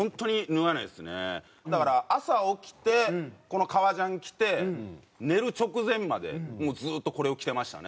だから朝起きてこの革ジャン着て寝る直前までもうずっとこれを着てましたね。